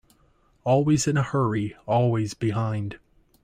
Always in a hurry, always behind.